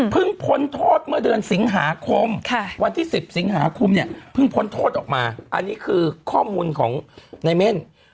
พ้นโทษเมื่อเดือนสิงหาคมวันที่๑๐สิงหาคมเนี่ยเพิ่งพ้นโทษออกมาอันนี้คือข้อมูลของในเม่น